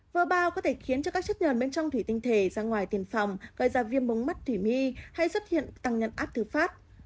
vỡ bao có thể khiến cho các chất nhờn bên trong thủy tinh thể ra ngoài tiền phòng gây ra viêm bóng mắt thủy mi hay xuất hiện tăng nhãn áp thứ phát